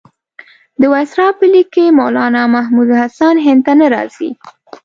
د وایسرا په لیک کې مولنا محمودالحسن هند ته نه راځي.